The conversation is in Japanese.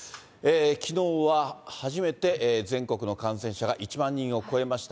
きのうは初めて、全国の感染者が１万人を超えました。